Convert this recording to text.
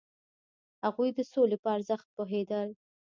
هغوی د سولې په ارزښت پوهیدل.